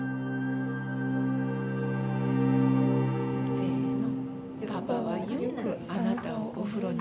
せの。